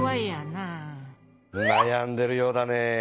なやんでるようだねえ。